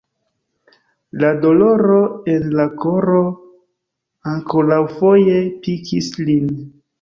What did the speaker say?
La doloro en la koro ankoraŭfoje pikis lin.